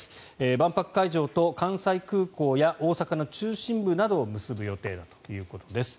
万博会場と関西空港や大阪の中心部などを結ぶ予定だということです。